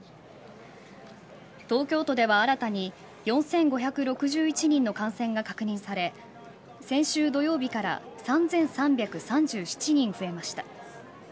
東京都では新たに４５６１人の感染が確認され先週土曜日から３３３７人増えました。